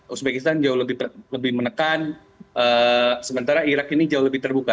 uzbekistan jauh lebih menekan sementara irak ini jauh lebih terbuka